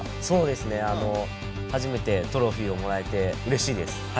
そうですね初めてトロフィーをもらえてうれしいです。